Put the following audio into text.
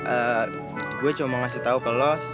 eh gue cuma mau ngasih tau kalau